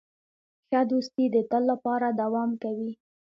ښه دوستي د تل لپاره دوام کوي.